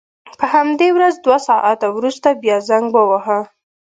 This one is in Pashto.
په همدې ورځ دوه ساعته وروسته بیا زنګ وواهه.